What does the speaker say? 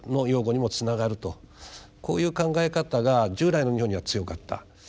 こういう考え方が従来の日本には強かった。